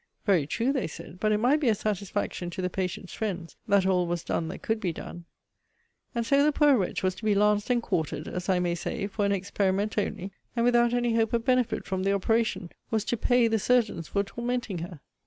Very true, they said; but it might be a satisfaction to the patient's friends, that all was done that could be done. And so the poor wretch was to be lanced and quartered, as I may say, for an experiment only! And, without any hope of benefit from the operation, was to pay the surgeons for tormenting her!